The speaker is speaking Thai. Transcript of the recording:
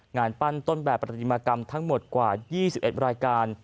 งานปั้นต้นแบบปฏิมากรรมทั้งหมดกว่า๒๑รายการ